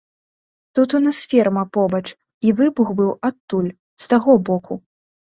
Тут у нас ферма побач, і выбух быў адтуль, з таго боку.